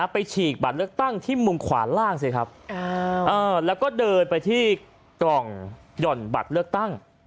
ฉีกบัตรเลือกตั้งที่มุมขวาล่างสิครับแล้วก็เดินไปที่กล่องหย่อนบัตรเลือกตั้ง